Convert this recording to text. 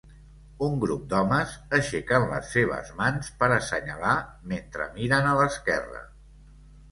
Un grup d"homes aixequen les seves mans per assenyalar mentre miren a l"esquerra.